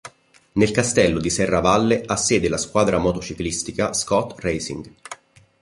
Nel Castello di Serravalle ha sede la squadra motociclistica Scot Racing.